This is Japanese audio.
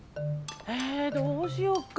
えどうしよっか？